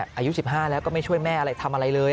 อายุ๑๕แล้วก็ไม่ช่วยแม่อะไรทำอะไรเลย